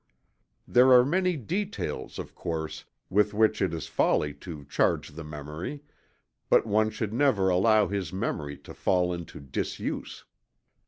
There are many details, of course, with which it is folly to charge the memory, but one should never allow his memory to fall into disuse.